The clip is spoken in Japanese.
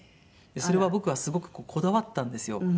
それは僕がすごくこだわったんですよ。